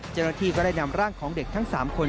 เจ้าหน้าที่ก็ได้นำร่างของเด็กทั้ง๓คน